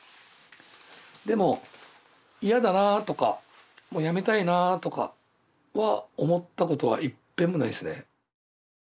でも嫌だなとかもうやめたいなとかは思ったことはいっぺんもないですね。